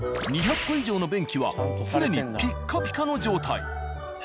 ２００個以上の便器は常にピッカピカの状態。